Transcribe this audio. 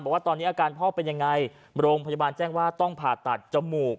บอกว่าตอนนี้อาการพ่อเป็นยังไงโรงพยาบาลแจ้งว่าต้องผ่าตัดจมูก